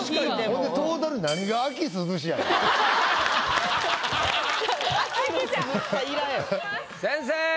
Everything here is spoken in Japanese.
ほんでトータル先生！